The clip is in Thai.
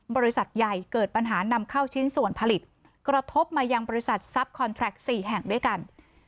บริษัทใหญ่เกิดปัญหานำเข้าชิ้นส่วนผลิตกระทบมายังบริษัททรัพย์คอนแทรค๔แห่งด้วยกัน